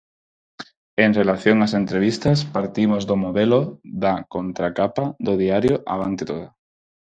En relación ás entrevistas, partimos do modelo da contracapa do diario Avante toda.